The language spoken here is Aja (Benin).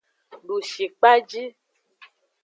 Dushikpaji.